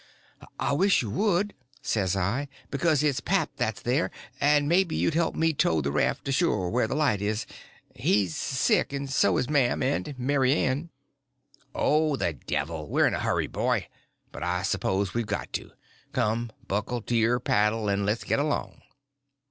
"I wish you would," says I, "because it's pap that's there, and maybe you'd help me tow the raft ashore where the light is. He's sick—and so is mam and Mary Ann." "Oh, the devil! we're in a hurry, boy. But I s'pose we've got to. Come, buckle to your paddle, and let's get along."